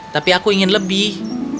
tapi aku ingin lebih